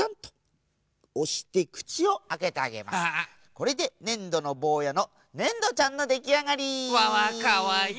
これでねんどのぼうやのねんどちゃんのできあがり！わわっかわいい。